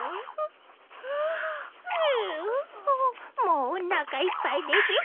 もうおなかいっぱいですよ。